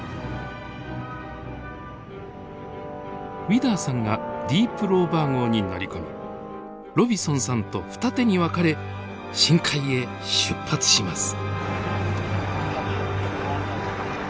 ウィダーさんがディープローバー号に乗り込みロビソンさんと二手に分かれ深海へ出発します。